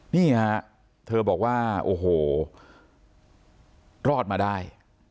นี่ฮะเธอบอกว่าโอ้โหรอดมาได้